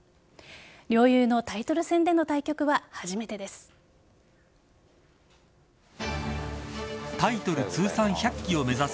両雄のタイトル戦での対局は初めてです。